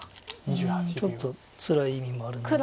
うんちょっとつらい意味もあるので。